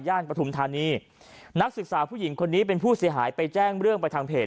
ปฐุมธานีนักศึกษาผู้หญิงคนนี้เป็นผู้เสียหายไปแจ้งเรื่องไปทางเพจ